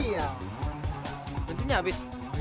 tidak ada yang bisa dikunci